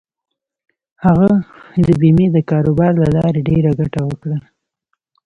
هغه د بېمې د کاروبار له لارې ډېره ګټه وکړه.